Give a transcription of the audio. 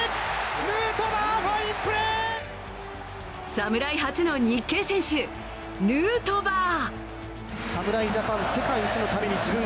侍初の日系選手、ヌートバー。